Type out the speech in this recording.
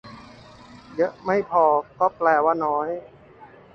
เยอะไม่พอก็แปลว่าน้อย